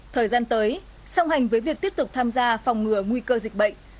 thời gian tới song hành với việc tiếp tục tham gia phòng ngừa nguy cơ dịch bệnh